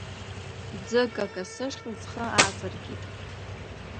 Ӡыга касышла схы ааҵаркит.